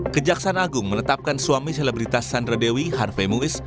kejaksaan agung menetapkan suami selebritas sandra dewi harve muiz